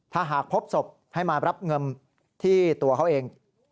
ถ้าหากพบศพให้มารับเงินที่ตัวเขาเอง